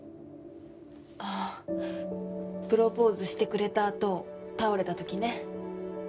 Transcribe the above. あプロポーズしてくれた後倒れた時ね。